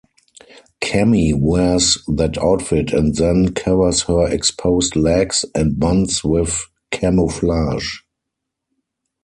Cammy wears that outfit and then covers her exposed legs and buns with camouflage.